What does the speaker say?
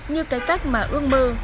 như cái cách mà ước mơ